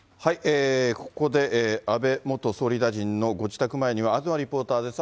ここで安倍元総理大臣のご自宅前には東リポーターです。